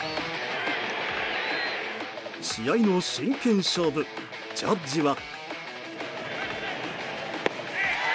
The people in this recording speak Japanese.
試合の真剣勝負、ジャッジは。